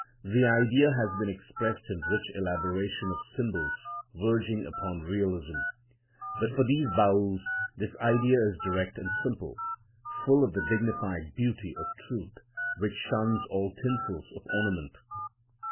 This idea has been expressed in rich elaboration of symbols verging upon realism. But for these Baüls this idea is direct and simple, full of the dignified beauty of truth, which shuns all tinsels of ornament.